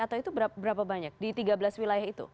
atau itu berapa banyak di tiga belas wilayah itu